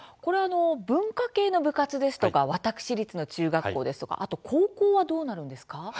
文化系の部活ですとか私立の中学校ですとかあと高校はどうなるんですか？